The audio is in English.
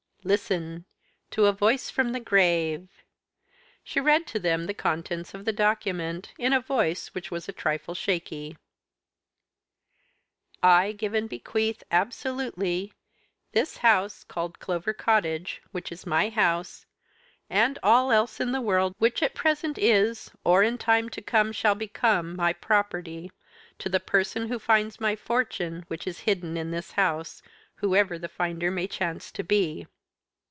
"Listen to a voice from the grave." She read to them the contents of the document, in a voice which was a trifle shaky: "I give and bequeath, absolutely, this house, called Clover Cottage, which is my house, and all else in the world which at present is, or, in time to come, shall become my property, to the person who finds my fortune, which is hidden in this house, whoever the finder may chance to be.